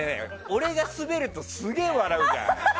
俺がスベるとすげえ笑うじゃん。